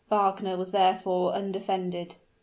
Wagner was therefore undefended.